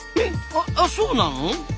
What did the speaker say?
あそうなの？